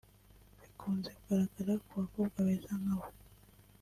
Bikunze kugaragara ku bakobwa beza nkawe